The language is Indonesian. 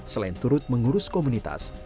selain turut mengurus komunitas